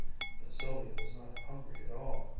But Sylvia was not hungry at all.